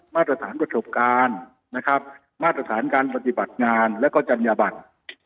มาตรฐานประสบการณ์นะครับมาตรฐานการปฏิบัติงานแล้วก็จัญญาบัติ